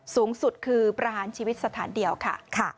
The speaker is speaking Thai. สูงสุดคือประหารชีวิตสถานเดียวค่ะ